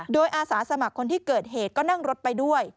โดยอาสาสมัครคนที่เกิดเหตุก็นั่งรถไปด้วย